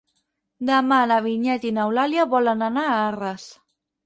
Demà na Vinyet i n'Eulàlia volen anar a Arres.